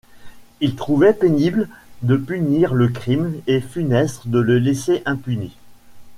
Il trouvait pénible de punir le crime et funeste de le laisser impuni.